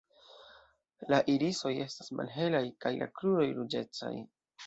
La irisoj estas malhelaj kaj la kruroj ruĝecaj.